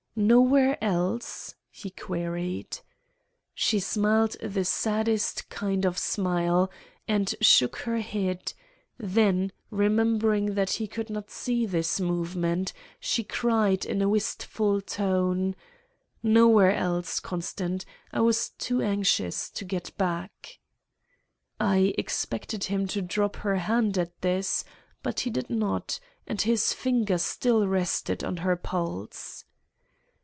"'Nowhere else?' he queried. "She smiled the saddest kind of smile and shook her head; then, remembering that he could not see this movement, she cried in a wistful tone: "'Nowhere else, Constant; I was too anxious to get back.' "I expected him to drop her hand at this, but he did not; and his finger still rested on her pulse.